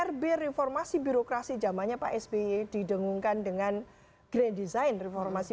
rb reformasi birokrasi zamannya pak sby didengungkan dengan grand design reformasi